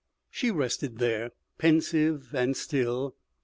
She rested there, pensive and still.